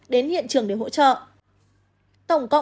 đến hiện trường để hỗ trợ